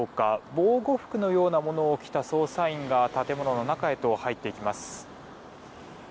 防護服のようなものを着た捜査員が建物の中へと入っていきます。